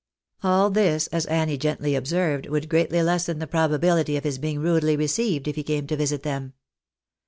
All this, as Annie gently observed, would greatly lessen the probability of his being rudely received if he came to visit them.